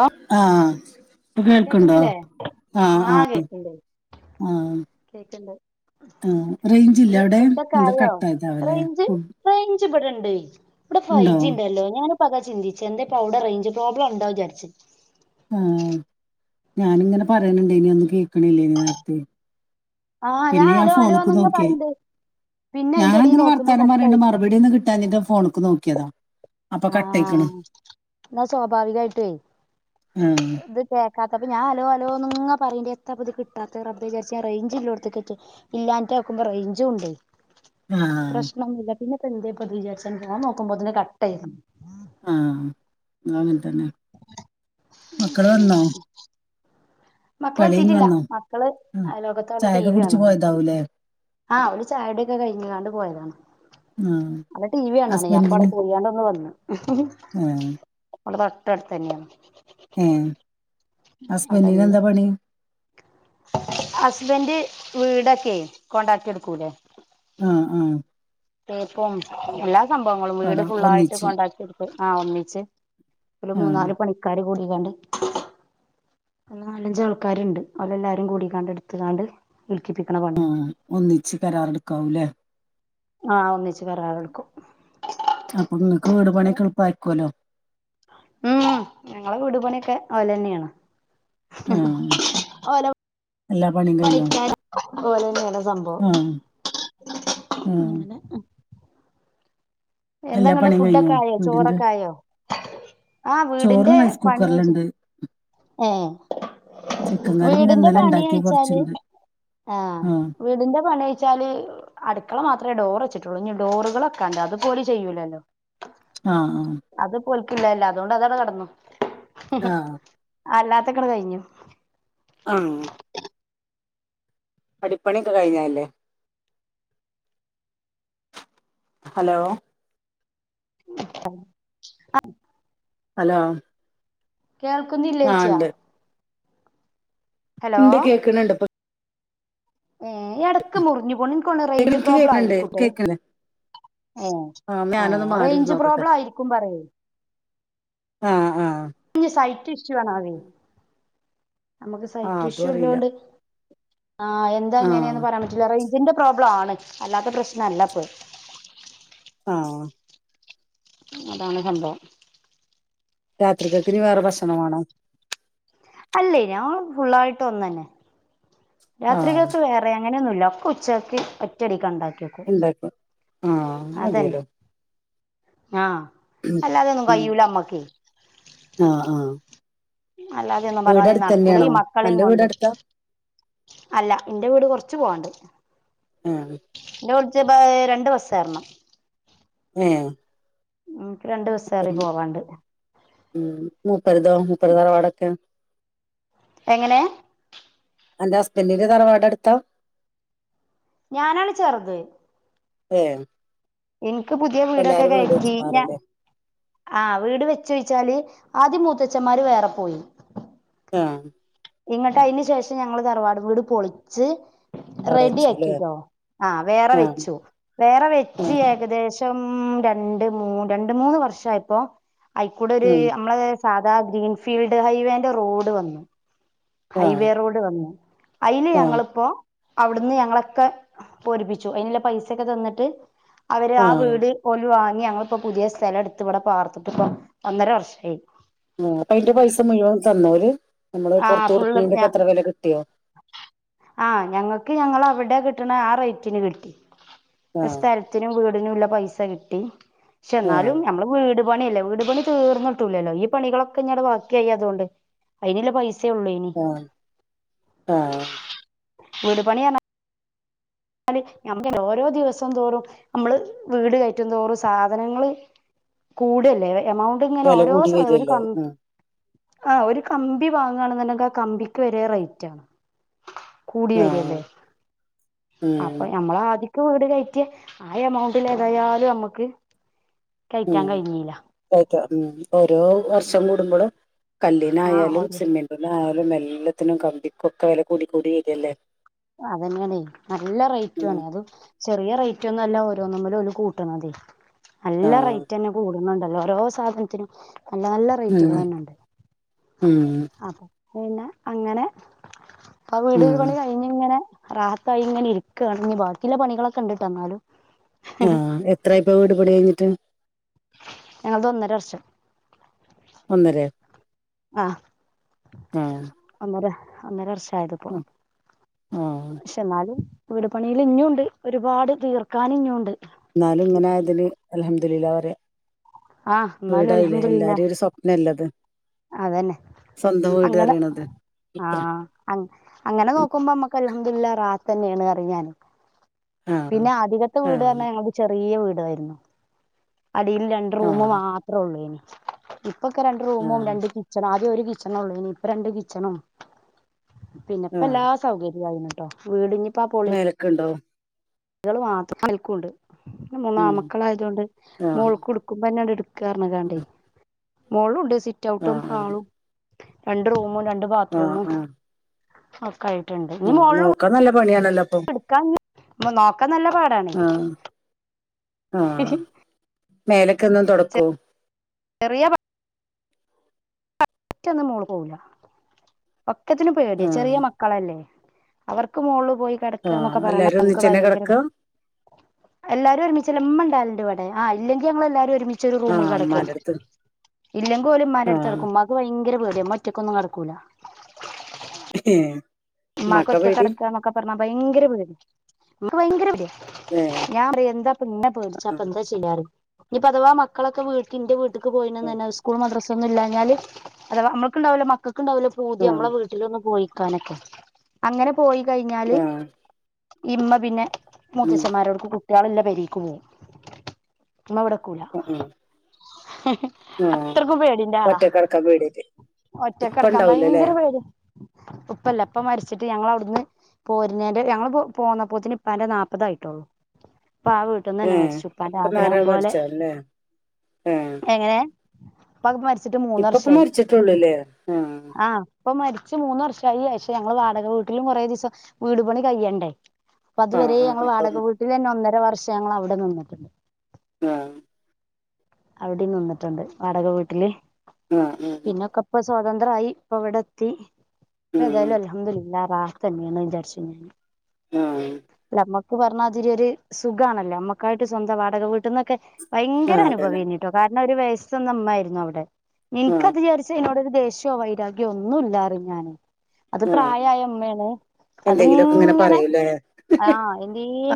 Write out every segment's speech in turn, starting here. ആ ആഹ കേക്കുന്നില്ലേ ആഹ ആ കേക്കണ്ട് ആ കേക്കണ്ട് ആ. റേഞ്ച് ഇല്ല അവിടെ ഫുഡ് ഒക്കെ എന്താ ആയോ കട്ടായതാവല്ലേ റേഞ്ച് ഫുഡ് റേഞ്ച് ഇവിടെണ്ടല്ലോ ഇവടെ ഫൈവ് ഉണ്ടോ ജി ഉണ്ടല്ലോ ഞൻ ഞാനിപ്പതാ ചിന്തിച്ചേ എന്തെപൗടെ റേഞ്ച് പ്രോബ്ലം ഉണ്ടാവും വിചരിച്ച് ആഹ ഞാാനിങ്ങനെ പറയണണ്ട് ഇനി ഒന്നും കേൾക്കണില്ലേ ഇനി നേരത്തെ ആഹ് പിന്നെ ഞാൻ ഹലോ ഫോണ്ക്ക് ഹലോന്നങ്ങ് നോക്കിയ പറയണ്ട് പിന്നെ അയിന്റെ എടീ ഞാൻങ്ങനെ നോക്കുമ്പോ വർത്താനം പറയണ്ട് കട്ടായിട്ടോ മറുപടി ഒന്ന് കിട്ടാഞ്ഞിട്ട് ഫോണക്ക് നോക്കിയത ആഹ എന്നാ സ്വാഭാവികയിട്ടേ ആ ഇത് അത്തപ്പ ഞാൻ അലോ അലോന്ന്ങ്ങ പറേണ്ട എത്താ ഇത് കിട്ടാത്ത റബ്ബെ വിചാരിച്ച റേഞ്ച് ഇല്ലോടുത്തക്ക് ഇല്ലാ നോക്കുമ്പോ റേഞ്ചും ഉണ്ട് ആ പ്രശ്നൊന്നുമില്ല പിന്നെ എന്ത ഇപ്പത് വിചാരിച്ച പോഞൻ നോക്കുമ്പോെ കക് ആായിരുന്നു ആഹ് അങ്ങനെ തന്നെ മക്കള് വന്നോ കളി കഴിഞ്ഞ് മക്കളെത്തിട്ടില്ല വന്നോ മക്കള് ആ. അയാളൊക്കാത്ത ലോകത്തോടെ ടിീ ചായയൊക്കെ വി കുടിച്ച് വണ പോയതാവൂലേ ആഹ അവള് ചായൊടൊക്കെ കഴിഞ്ഞകാണ്ട് പോയതാണ് ആ അല്ല ടി വി ആണാണ് ഞാൻപ്പ ഹസ്ബൻഡിന് അവി പോയാണ്ടൊന്ന് വന്നു ആ നമ്മള തൊട്ട അടുത്ത് തന്നെയാണ് ഏഹ് ഹസ്ബൻഡന് എന്താ പണി ഹസ്ബന്ഡ് വീടൊക്കെ കോണ്ടാക്ട് എടുക്കൂല ആഹ് ആഹ് തേപ്പം എല്ലാ സംഭവങ്ങളും വീട് പടം ഫുള്ളായിട്ട് ഒന്നിച്ച് കൊണ്ടാക്കി എടുത്ത് ആ ഒന്നിച്ച് ഒരു ആഹ് മൂന്നാല് പണിക്കാാര് കൂടിക്കാണ്ട് അല്ല നാലഞ്ച ആൾക്കാരുണ്ട് അവ എല്ലാരും കൂടിക്കാണ്ട് എടുത്ത കാണ്ട് ആ ഒന്നിച്ച് കരാറെ എടുക്കാവൂല്ലേ ആഹ് ഒന്നിച്ച്ച് കരാർ എടുക്കും അപ്പൊ നിങ്ങക്ക് വീട് പണിക്ക് എളുപ്പ ആക്കുവല്ലോ ഉം ഞങ്ങള വീട്പണിയൊക്കെ ഓലെ തന്നെയാണ് ആഹ് ഓര എല്ലാ പണും കഴിഞ്ഞോ ഓലന്നല്ല ആഹ് ഉം എന്താങ്ങ പണിയും കഴിഞ്ഞോ ഫുഡൊക്കെ ആയോ വീടിന്റെ ചോറൊക്കെ ആയോ ആ ചോറ് വീടിന്റെ റൈസ് പണിയച്ച കുക്കറിലുണ്ട് ഏഹ് ചിക്കൻ കറി പിന്നെ വീടിന്റെ ഇന്നലെ പണി ഉണ്ടാക്കിയ അയച്ചാല് കൊറച്ചുണ്ട് ആഹ ആഹ് വീടിന്റെ പണഴച്ചാല് അടുക്കള മാത്രം അത്രേ ഡോർ വെച്ചിട്ടുള്ളൂ ഇ ഡോറുകളൊക്കെ ഉണ്ട് അതുപോലെ ചെയ്യൂലല്ലോ ആഹ് ആഹ് കൊൽക്കില്ലല്ല അതോണ്ട്അതാവട കടന്നു ആഹ് അല്ലാത്തക്കട കഴിഞ്ഞു ആഹ അടിപ്പണിയൊക്കെ കഴിഞ്ഞല്ലേ ഹലോ അ ആ ഹലോ ആഹ് കേൾക്കുന്നില്ലേച്ചാ എന്ത കേക്കണണ്ട് ഇപ്പൊ ഏർ ഇടക്ക് മുറിഞ്ഞു പോണ് എനിക്കന്ന് റേഞ്ച് എനിക്ക് പ്രോബ്ലം കേൾക്കണണ്ട് ആയിരിക്കൂട്ടെ കേൾക്കണേ ഏ ആഹ് ഏ ഞാനൊന്ന് റേഞ്ച് പ്രോബ്ലം ആയിരിക്കും പറയൂ ആ ഹ ആഹ ഇ സൈറ്റ് ഇഷ്യു ആണതേ നമുക്ക് ആഹ് സൈറ്റ് അതും ഇഷ്യൂ അറിയില്ല ഇല്ലോണ്ട് ആഹ് എന്താ ആഹ് എങ്ങനെയന്ന് പറയാൻ പറ്റില്ലറ ഇതിന്റെ പ്രോബ്ലം ആണ് അല്ലാത്ത പ്രശ്ന അല്ലപ്പൊ ആഹ് അതാണ് സംഭവം രാത്രികക്കിിന വേറെ ഭക്ഷണ വേണോ ട്ട്െത് ആഹ് വ അങ്ങനെയൊന്നുമല്ല ഒക്കെ ഉച്ചയ്ക്ക് ഒറ്റടിക്ക് കണ്ടാക്കി എന്താക്ക ആഹ മതിയല്ലോ ആഹ അല്ലാതെയൊന്നും കയ്ൂല അമ്മക്ക്േ ആഹ ആഹ അല്ലാതെയൊന്നും പറഞ്ഞാൽതി നടക്കൂല ഈ മക്കളെയും അന്റെ വീട് കൊണ്ട് അടുത്താ അല്ല എന്റെ വീട് കുറച്ച്ു പോവാണ്ട് ആഹ എന്നെ വിളിച്ച രണ്ടുിവസ ആാരണം ഉം ആഹ പ്പ ഉ മുൂപ്പരുതോ മുൂപ്പത്താര വടക്ക എങ്ങനെ എന്റെ ഹസ്ബൻറിന്റെ തറവാട് എടുത്ത ഞാനാണ് ചെറത് ഉഹ എനിക്ക് പുതിയ വീടൊക്കെ കഴിച്ചി ഞ മാറില്ലേ ആഹ വീട് വെച്ചോഴിച്ചാല് ആദ്യ മൂത്തച്ന്മാര് വേറെ പോയി ആഹ ഇങ്ങട്ട് അതിന് ശേഷം ഞങ്ങള്ൾ റവാട വീട് പൊളിച്ച് അവിടെ റെഡി വെച്ചുല്ലേ ആക്കിട്ടോ ആ വേറെ ആഹ് വെച്ചു വേറെ വെച്ച് ആഹ് ഏകദേശം രണ്ട്ൂ രണ്ട് മൂന്ന് വർഷ ആപ്പോ അയിക്കൂടെ ഒരു ആഹ് നമ്മളെ സാധാ ഗ്രീൻഫീൽഡ് ഹൈവേന്റെ റോഡ് വന്നു ആഹ് ഹൈവേ റോഡ് വന്നു അയില് ആഹ് ഞങ്ങളിപ്പോൊ അവിടുന്ന് ഞങ്ങളൊക്കെ പരിപ്പിച്ചു അയിുള്ള പൈസയൊക്കെ തന്നിട്ട് അവര് ആ ആഹ് വീട് ഒലുവ ഞങ്ങിപ്പോ പുതിയ സ്ഥലം എടുത്ത് ഇവിടെ പാർത്തിട്ട ഇപ്പ ഒന്നര വർഷമായി ആ അപ്പൊ അയിന്റെ പൈസ മുഴുവൻ തന്നല് നമ്മള് ആ പൊറത്ത് ഫുള്ള് കൊടുക്കുന്നതിന്റെക്കെ എത്ര വില കിട്ടിയോ ആ ഞങ്ങൾക്ക് ഞങ്ങ അവിടെ കിട്ടണ ആ റേറ്റിന് കിട്ടി ആഹ് സ്ഥലത്തിനും വീടിനുംള്ള പൈസ കിട്ടി പക്ഷെ എന്നാലും ആഹ് നമ്മള് വീട് ണിയല്ലേ വട്പണി തീർന്നിട്ടില്ലല്ലോ ഈ പണികളൊക്കെ ടെ ബാക്കിയ ആയി അതുകണ്ട് അതിനുള്ള പൈസ സള്ളൊനി ആഹ് ആഹ് വീട് പണിയാണ് എന്നല് നമ്മക്ക് ഓരോ ദിവസം തോറും നമ്മള് വീട് കയറ്റും തോറും സാധനങ്ങള് കൂടല്ലേ എമൗണ്ട് ഇങ്ങനെ വില ഓരോ കൂടി സ വരല്ലേ ക ആഹ് ആഹ് ഒരു കമ്പി വാങ്ങണെന്നുണ്ടെങ്കിൽ ആ കമ്പിക്ക് വര റേറ്റ് ആണ് കൂടി ആഹ് വരല്ലേ ഉം അപ്പൊ നമ്മള് തിക്ക് വീട് കഴറ്റിയ ആ എമൗണ്ടിൽ തായാലും നമ്മക്ക് കഴിക്കാൻ കഴിഞ്ഞല്ല ഉ ഓരോ വർഷം കൂടുമ്പോഴും ആഹ് കല്ലിനായാലും ഒരു സിമെന്റിനായാലും എല്ലാത്തിനും കമ്പിക്കൊക്കെ വെല കൂടിക്കൂടി വരില്ലേ അതന്നെയണേ നല്ല റേറ്റ് ഉം ആണേ അത് ചെറിയ റേറ്റ് ഒന്നുംല്ല കൂട്ട്ണത് നല്ല ആഹ് റേറ്റ്ന്നെ കൂടുന്നുണ്ടല്ലോ ഓരോ സാധനത്തിനും നല്ല നല്ല ഉം റേറ്റുകൾ തന്നെ ഉണ്ട് ഉം അപ്പൊ പിന്നെ അങ്ങനെ ആ വീട് ഉം പണി കഴിഞ്ഞ് ഇങ്ങനെ റഹത്തായി ഇങ്ങെ ഇരിക്കുകാണ്ണെ ബാക്കിയുള്ള പണികളൊക്കെ കണ്ടിട്ട് വന്നാലും ആഹ് എത്ര ഇപ്പ വീട്പണി കഴിഞ്ഞിട്ട് ഞങ്ങത് ഒന്നര വർഷം ഒന്നരേ ആഹ് ആഹ് ഒ ഒന്നര വർഷയത്പ്പോ ആഹ് ക്ഷെന്നാ വീട് പണിയിൽ ഇങ്ങുണ്ട് ഒരുപാട് തീർക്കാൻ ഇങ്ങുണ്ട്. എന്നാലും ഇങ്ങനൊയതിന് അലഹംദി ലില്ല വരെ ആഹ് എന്നാലും വീടായില്ലേ അൽഹംദുലില്ലാ എല്ലാരും ഒരു സ്വപ്നല്ലത്. അതന്നെ അങ്ങനെ. പറയണത് ഇത്ര ആഹ് അങ് അങ്ങന ഒോക്ക്പ മക്കൽ- അൽഹംദുലില്ല റാഹത്തന്നെയാണ് അറിഞ്ഞാൻ ആഹ് പിന്നെ ആദികത്തെ വീട് ആഹ് പറഞ്ഞാ ഞത് ചെറിയ വീട് യിരുന്നു അടിൽ രണ്ട് റൂമ ആഹ് മാത്രേ ഉള്ളൂ അന്- പ്പക്കെ രണ്ട് രൂ മം ആഹ് രണ്ട്- ആദ്യ ഒരു കിച്ചനെ ഉള്ളൂ ഇനി ഇപ്പ രണ്ട് കിച്ചണും പിന്നെ ഇപ്പ എല്ലാ സൗകര്യമായിരുന്നു കേ വീടി മേലക്കെ ഉണ്ടോ? ഇികൾ മാത്രൽക്കുംണ്ട് ഉം മാമക്കള ആയതുകൊണ്ട് ആഹ് മോൾക്ക് കൊടുക്കുമ്പോ തന്നെയ മോളുണ്ട് ആഹ് സിറ്റ്ഔട്ടും ആഹ് ഹാളും രണ്ട് റൂമും രണ്ട് ബാത്ത് റൂം ഉം നോക്കാൻ നല്ല പണിയാണല്ലോ അപ്പം ഉം നോക്കാൻ നല്ല പാടാണേ ആഹ് മേലക്ക ഒന്നും തുൊടക്കോ ചെറിയ മറ്റൊന്നും മോള് പോവില്ല ഒക്കത്തിന് പേട ചെറിയ ആഹ് മക്കളല്ലേ അവർക്ക് മോള് പോ ആഹ് കിടക്കൊക്കെ എല്ലാരും പറമക്ക് ഒന്നിച്ചന്നെ ഭയങ്കര കെടക്ക എല്ലാരും ഒരുമിച്ചമ്മണ്ടാല ആ ഇല്ലെങ്കി ഞങ്ങൾ എല്ലാരും ഒരുമിച്ചരു റൂമിൽ ആഹ് കിടക്കും ഇമ്മാന്റെട്ത്ത് ഇല്ലെങ്കിൽ പോലും മമാരു അടുത്ത് ക ആഹ് കടക്കും മ്മാക്ക് ഭയങ്കര പേടിയ മ്മറ്റക്കൊന്നും കിടക്കൂല [unintelligible] ഉമ്മാക്ക് ഇമ്മാക്കാ ഒറ്റയ്ക് പേടി കടക്കന്നൊക്കെ പറഞ്ഞ ഭയങ്കര ഭയങ്കര ഏഹ് ഞാൻ അറിയ എന്താ പിന്നെ പേടിച്ച അപ്പ ആഹ് എന്താ ചെയ്യാറ ഇനി അഥവാ മക്കളൊക്കെ വീട്ടിന്റെ വീട്ട- ക്ക് പോയിന്ന്ഞ്ഞസ്കൂൾ മദ്രസ ഒന്നും ഇല്ലാഞ്ഞാല് അതവ നമ്മുക്കുണ്ടാവോ മക്കക്ക് ണ്ടാവലോ പൂതി ആഹ് നമ്മളെ വീട്ടിലൊന്ന് പോയിക്കാനൊക്കെ അങ്ങനെ പോയി കഴിഞ്ഞാല് ആഹ് ഇമ്മ പിന്നെ ഉം മുത്തച്ഛന്മാരോടക്ക് കുട്ടികളല്ല പരിക്ക് പോകവും ഇമ്മ ഇവിടെ ആഹ് ആഹ് ഒറ്റക്കെടക്കാൻ പേടിയായിട്ട് ഒറ്റക്ക ഇപ്പ കടക്കാൻ ഇണ്ടാവൂലല്ലേ ഭയങ്കര പേടിയാ ഉപ്പല്ല ഇപ്പ മരിച്ചിട്ട് ഞങ്ങ അവിടുന്ന് പോരുന്നന്റെ ഞങ്ങള്ൾ പോകന്നപ്പോത്തിന് ഇപ്പാന്റെ നാപ്പതായിട്ടള്ളൂ [inaudible] ഏ ഒപ്പന്നാര ആഗ്രഹം പോലെ മരിച്ചല്ലേ ഹെ ഇപ്പ മരിച്ചിട്ട് മൂന്ന് വർഷയി മരിച്ചിട്ടൊള്ളൂല്ലേ ആഹ് ആ ഇപ്പൊ മരിച്ച മൂന്ന് വർഷമായി പക്ഷെ ഞങ്ങൾ വാടക വീട്ടിലും കുറേ ദിവസം വീട്പണി കഴ്യണ്ടേ അപ്പ ആഹ് അതുവരെ ആഹ് ഞങ്ങൾ അപ്പൊ വാടക വീട്ടിൽന്നെ ഒന്നര വർഷം ഞങ്ങൾ അവിടെ നിന്നിട്ടുണ്ട് അ അവിടെ നിന്നിട്ടുണ്ട് വാടക വീട്ടില് അ ആ! ഉ സ്വാതന്ത്രമായി ഇപ്പൊ ഇവിടെ എത്തി ഇപ്പ ആഹ് തായാലും അൽ ഹംദുലിലാഹ റാഹത്തെന്നെ ന്നെയാണ്ന്ന് വിചാരിച്ചുന്നു ആ പ്പ പറഞ്ഞാ മതിരി ഒരു സുഖമാണല്ലേ നമ്മക്കായിട്ട് സ്വന്തം വാടക വീട്ടുന്നൊക്കെ ഭയങ്കര ആഹ് അനുഭവ അതന്നെ തന്ന കേട്ടോ കാരണം ഒരു വയസ്സന്ന ഇമ്മയിയിരുന്നു അവിടെ ആഹ് നിനക്ക്ത്ചാരിച്ച എന്നോട് ദേഷ്യോ വൈരാഗ്യോ ഒന്നും ഇല്ലാറിം ഞാന് അത് പ്രായമായ ഇമ്മേണ് എന്തെങ്കിലുമൊക്കെ ഇങ്ങനെ പറയൂലേ ആഹ്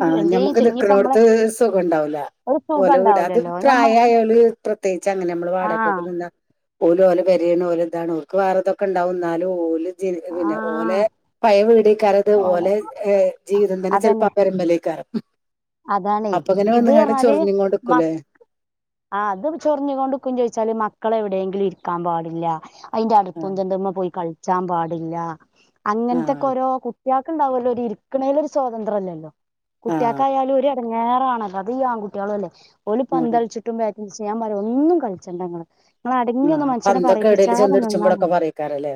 ആ എന്തേലും ഞമ്മുക്ക് നി ചെയ് ക്കു ഇനിയിപ്പ നമ്മളെ ണോടത്ത് സുഖം ഉണ്ടാവൂല ഒരു സുഖം ഓലെ വീടാ അത് ഉണ്ടാവൂലല്ലോ ഞമ്മ പ്രായമായള് പ്രത്യേകിച്ച് അങ്ങനെ നമ്മള് ആഹ് വാടകൊക്കെ നിന്നാ ഓൽ ഓലെ പേരേണ് ഓലതാണ് ഓല്ക്ക് വേറെതൊക്കെ ഉണ്ടാവും ന്നാലും ജ പിന്നെ ഓലെ ആഹ് പയ വീടാക്കരമിത് ഓലെ ജീവിതം തന്നെ ചെലപ്പോ അപരമ്മലെ കാരം അതാണേയ് ഇത് പറഞ്ഞാല് മ കൊണ്ട്ക്കൂലേ അ അത് ചൊറിഞ്ഞു കൊണ്ടുക്കും ചോയിച്ചാല് മക്കളെ എവിടെങ്കിലിരിക്കും കിക്കാൻ പാടില്ല അതിന്റെ ആഹ് അടുപ്പുംതിണ്ടുമെ പോയി കളിച്ചാൻ പാടില്ല അങ്ങനത്തെക്കെ ആഹ് ഓരോ കുട്ടികൾക്ക് ഉണ്ടാവുമല്ലോ ഒരു ഇരിക്കുണേൽ ഒരു സ്വാതന്ത്ര്യലല്ലോ കുട്ടിക ആഹ് കായാലും ഒരു ഇടങ്ങേറാണല്ലോ അതും ഈ ആൺകുട്ടികളും അല്ലേ ഒരു ആഹ് പന്തളിചിട്ടും ബേ ച്ച് ഞാൻ പറയും ഒന്നും കളിച്ചണ്ടങ്ങൾ ഇങ്ങൾ അടങ്ങിയൊന്ന് ആഹ് മനുഷ്യനെ പന്തൊക്കെ എവിടേലും പറയിപ്പിച്ചാതെ നിന്നാൽ മ ചെന്നിടിച്ചുമ്പളൊക്കെ പറയേക്കാരല്ലേ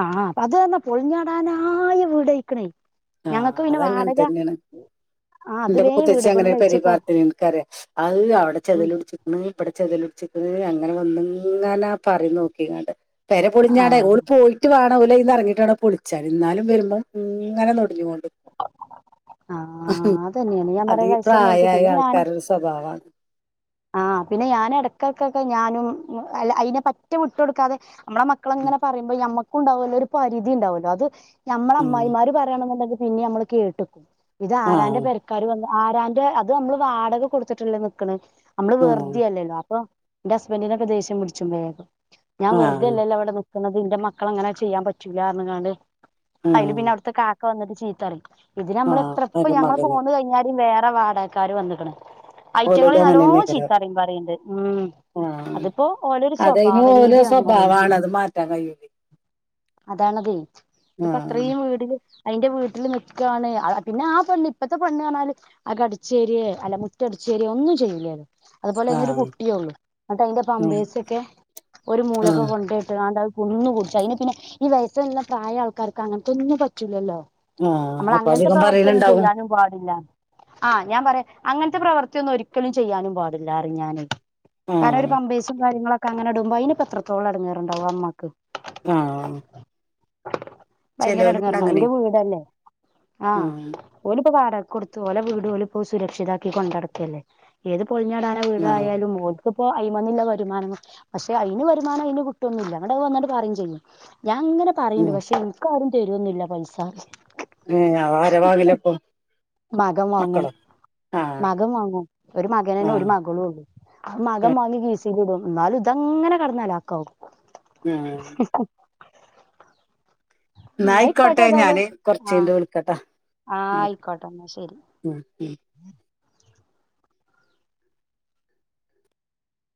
ആ അത് പറഞ്ഞ പൊളിഞ്ഞാടാനായ വീടായികുണേയ് ഞങ്ങക്ക് പിന്നെ വാടക ആ അത് ഇന്റെ വേഗം മൂത്തച്ചി വീട് പണി അങ്ങനെ ഒരു പെരേൽ കഴിച്ചപ്പോ പാർത്തിനു ഇൻ ക്കറിയ അഹ് അവിടെ ഉം ചെതൽ പിടിച്ചികിണ് ഇവിടെ ചെതൽ അങ്ങനെ വന്നിങ്ങനെ പറയും നോക്കികാണ്ട് പെര ആ പൊളിഞ്ഞാടെ ഓൾ പോയിട്ട് വാ ഓൽ അയ്ന്ന് ഇറങ്ങീട്ട് വേണം പൊളിച്ചാൻ ഇന്നാലും വരുമ്പോം ഇങ്ങനെ നൊടിഞ്ഞോണ്ട് ക്കും ആ അതന്നെയാണ് ഞാൻ അതീ പറയാ വയസ്സന്നോൽക്ക് പ്രായായ പിന്നെ ഞാന് ആൾക്കാരെ സ്വഭാവാണ് ആഹ് പിന്നെ ഞാൻ ഇടക്കൊക്കെ ഞാനും അല്ല അയിനെ പറ്റെ വിട്ടു കൊടുക്കാതെ നമ്മളെ മക്കളങ്ങനെ പറയുമ്പോ നമുക്ക് ഉണ്ടാവുല്ലോ ഒരു പരിധി ഉണ്ടാവോലോ അത് നമ്മളെ ഉം. അമ്മായിമ്മാർ പറയാണെന്നുണ്ടെങ്കി പിന്നീം നമ്മൾ കേട്ടക്കും ഇത് ആ ആരാന്റെ പേര്ക്കാർ വന്ന ആരാന്റെ അത് നമ്മള് വാടക കൊടുത്തിട്ടല്ലേ നിക്കണ് നമ്മള് ആ വെറുതെ അല്ലല്ലോ അപ്പൊ എന്റെ ഹസ്ബൻഡിനോക്കെ ദേഷ്യം പിടിച്ചും [inaudible] ഞാൻ ആ വെറുതെല്ലല്ലോ അവിടെ ന്നത് ഇന്റെ മക്കളങ്ങനെ ചെയ്യാൻ പറ്റൂല്ലാ പറഞ്ഞിൻകാണ്ട് ആ അയില് പിന്നെ അവിടുത്തെ ക്കെ വന്നിട്ട് ചീത്തറിം ഇത് ആ നമ്മൾ എത്ര പ്പോ എന്റെ ഞങ്ങൾ മകന് പൊന്ന് കഴിഞ്ഞാലും വേറെ വാടകക്കാർ വന്ന്ക്ക്ണ് ഓലോട് ഐറ്റങ്ങളി നല്ലോ അങ്ങനെ തന്നെ കരം ചീത്താറിയിം പറയിണ്ട് ഉം ആ അതിപ്പോ ഓലൊരു അതതിന് സ്വഭാവ ഓരോ രീതിയാന്ന് പറയും സ്വഭാവമാണ് അത് മാറ്റാൻ കഴിയൂല അതാണതയ് ആ ഇതിപ്പോ അത്രയും വീട അയിന്റെ വീട്ടിൽ നിക്കാണ് പിന്നെ ആ പെണ്ണ് ഇപ്പത്തെ പെണ്ണ് പറഞ്ഞാല് അത് അടിച്ചേരിയെ അല്ല മുറ്റടിച്ച ശെരി ഒന്നും ചെയ്യൂല അതുപോലെ ആ അതിനൊരു കുട്ടിയേള്ളൂ ന്നിട്ട് അയിന്റെ ഉം, പമ്പേഴസൊക്കെ ഒരു മൂലക്കെ ഉം, കൊണ്ടേയിട്ട്ങ്ങാട് അത് ഒന്നു കുടിച്ചു അയിന് പിന്നെ ഈ വയസിന്ള്ള പ്രായൾക്കാർക്ക് അങ്ങനത്തെ ഒന്നും പറ്റൂല്ലല്ലോ ആ നമ്മൾ അപ്പൊ അങ്ങനത്തെ അധികം പ്രവർത്തിയൊന്നും പറയലുണ്ടാവും ചെയ്യാനും പാടില്ല ആ ഞാൻ പറയാ അങ്ങനത്തെ പ്രവൃത്തിയൊന്നും ഒരിക്കലും ചെയ്യാനും പാടില്ല അറിഞാൽ കാരണം ഒരു ആഹ് പമ്പേഴ്‌സും കാര്യങ്ങളൊക്കെ അങ്ങനെ ഇടുമ്പോ അയിനിപ്പൊ എത്രത്തോളം എടങ്ങറണ്ടാവും ആ ഇമ്മാക്ക് ആ ഭയങ്കര ഇടങ്ങാറുണ്ട അന്റെ വീടല്ലേ ആഹ് ഓലിപ്പൊ വാട കൊടുത്തു ഓലേ വീട് ഓലിപ്പോ സുരക്ഷിതാക്കി കൊണ്ടടക്കല്ലേ ഏത് പൊളിഞ്ഞാടാനായ ആഹ് വീടായാലും ഇപ്പൊപ്പോ അയിമന്നില്ല വരുമാനം പക്ഷെ അയിന് വരുമാനം അയിന് കിട്ടൊന്നൂല്ല ഇങ്ങട് വന്നാണ്ട് പറയും ചെയ്യും ഞാൻ ഇങ്ങനെ പറയണ്ട് ഉം പക്ഷെ ഇൻക്കാരും തരോന്നൂല്ല പൈസാ ഏ [unintelligible] മകം വാങ്ങും മകം വാങ്ങും ഒരു മക ഒരു ആഹ് മകളും ഉള്ളൂ മകം ആഹ് വാങ്ങി കീസിലിടും ന്നാലും ഇതങ്ങനെ കടന്നലാക്കാവും. [unintelligible] ഇന്നാ അയിക്കോട്ടെ ഇന്നായിക്കോട്ടെ ഞാൻ ഏതായാലും ആഹ് കുർച്ചയിഞ്ഞിട്ട് വിളിക്കാട്ടോ ആഹ് ആയിക്കോട്ടെ ന്നാ ശരി ഉം